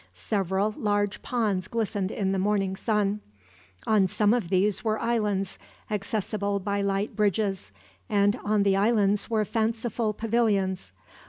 Several large ponds glistened in the morning sun. On some of these were islands accessible by light bridges, and on the islands were fanciful pavilions.